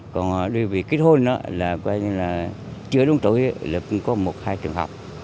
còn đối với kết hôn là chưa đúng tối là cũng có một hai trường hợp